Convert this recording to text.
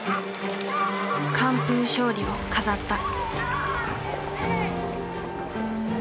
完封勝利を飾った。